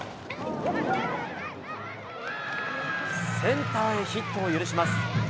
センターへヒットを許します。